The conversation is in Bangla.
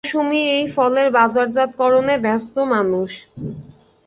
মৌসুমি এই ফলের বাজারজাতকরণে ব্যস্ত মানুষ।